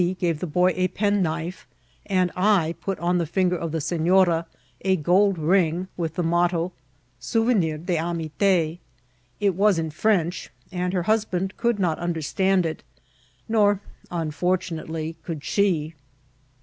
gave the boy a penknife, and I put on the finger of the sefiora a gold ring, with the motto, '' Souvenir d'amiti6.'' It was in French, and her husband could not understand it, nor, unfortunately, could she.